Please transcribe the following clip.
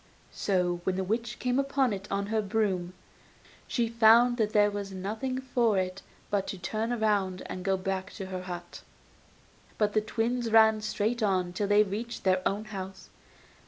So when the witch came up to it on her broom she found that there was nothing for it but to turn round and go back to her hut. But the twins ran straight on till they reached their own home.